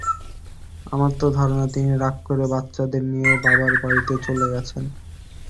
আমার তো ধারণা তিনি রাগ করে বাচ্চাদের নিয়ে বাবার বাড়িতে চলে গেছেন।